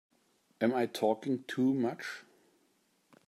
Am I talking too much?